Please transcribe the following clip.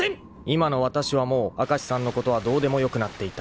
［今の私はもう明石さんのことはどうでもよくなっていた］